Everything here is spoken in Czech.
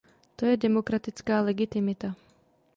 To je demokratická legitimita.